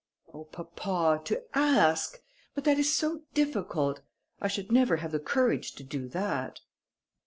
"Oh papa, to ask! but that is so difficult. I should never have the courage to do that."